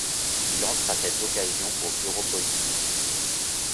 Il entre à cette occasion au bureau politique.